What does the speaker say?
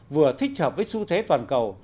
vừa thích hợp với xu thế toàn cầu